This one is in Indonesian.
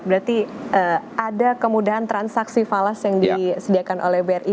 berarti ada kemudahan transaksi falas yang disediakan oleh bri